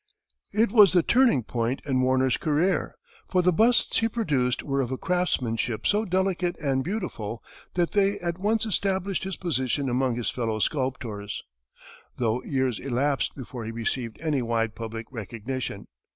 It was the turning point in Warner's career, for the busts he produced were of a craftsmanship so delicate and beautiful that they at once established his position among his fellow sculptors, though years elapsed before he received any wide public recognition.